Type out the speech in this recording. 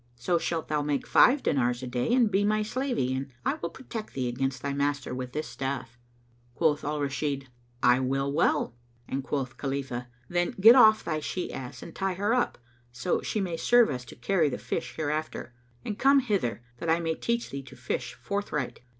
So shalt thou make five dinars a day and be my slavey and I will protect thee against thy master with this staff." Quoth Al Rashid, "I will well"; and quoth Khalifah, "Then get off thy she ass and tie her up, so she may serve us to carry the fish hereafter, and come hither, that I may teach thee to fish forthright."